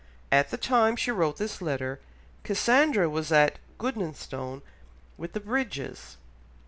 At the time she wrote this letter, Cassandra was at Goodnestone with the Bridges.